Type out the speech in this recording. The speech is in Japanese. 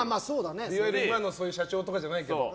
いわゆる今の社長とかじゃないけど。